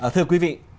thưa quý vị